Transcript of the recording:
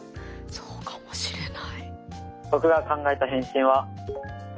そうかもしれない。